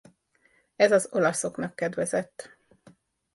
Ez az olaszoknak kedvezett.